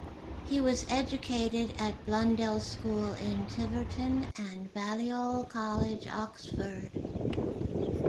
He was educated at Blundell's School in Tiverton and Balliol College, Oxford.